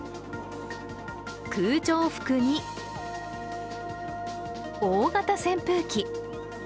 空調服に、大型扇風機。